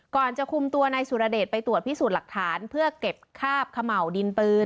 จะคุมตัวนายสุรเดชไปตรวจพิสูจน์หลักฐานเพื่อเก็บคาบเขม่าวดินปืน